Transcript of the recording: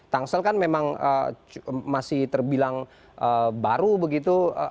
tangsel kan memang masih terbilang baru begitu